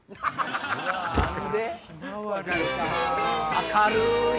明るい？